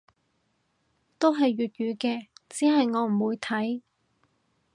都係粵語嘅，只係我唔會睇